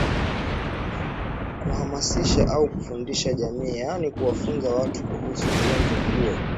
Kuhamasisha au kufundisha jamii yaani kuwafunza watu kuuhusu ugonjwa huo